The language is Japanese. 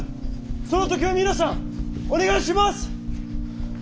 その時は皆さんお願いします！